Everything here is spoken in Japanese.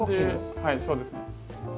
はいそうですね。